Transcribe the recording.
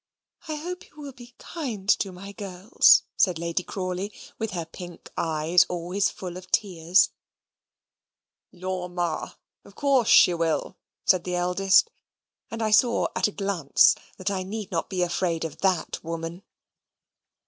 "I hope you will be kind to my girls," said Lady Crawley, with her pink eyes always full of tears. "Law, Ma, of course she will," said the eldest: and I saw at a glance that I need not be afraid of THAT woman.